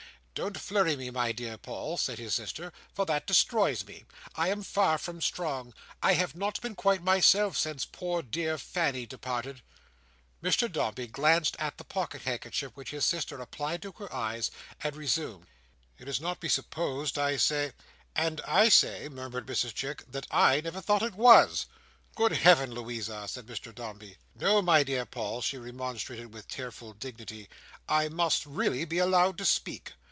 "Don't flurry me, my dear Paul," said his sister; "for that destroys me. I am far from strong. I have not been quite myself, since poor dear Fanny departed." Mr Dombey glanced at the pocket handkerchief which his sister applied to her eyes, and resumed: "It is not be supposed, I say—" "And I say," murmured Mrs Chick, "that I never thought it was." "Good Heaven, Louisa!" said Mr Dombey. "No, my dear Paul," she remonstrated with tearful dignity, "I must really be allowed to speak.